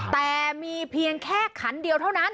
แต่มีเพียงแค่ขันเดียวเท่านั้น